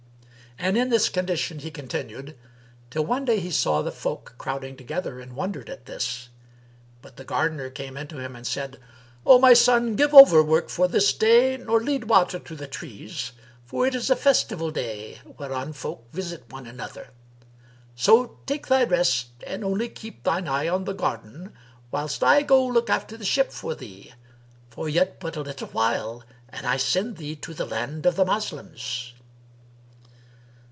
And in this condition he continued till one day he saw the folk crowding together and wondered at this; but the gardener came in to him and said, "O my son, give over work for this day nor lead water to the trees; for it is a festival day, whereon folk visit one another. So take thy rest and only keep shine eye on the garden, whilst I go look after the ship for thee; for yet but a little while and I send thee to the land of the Moslems."